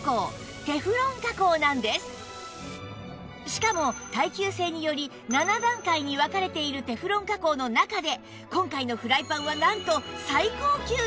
しかも耐久性により７段階に分かれているテフロン加工の中で今回のフライパンはなんと最高級ランク